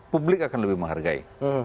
publik akan lebih menghargai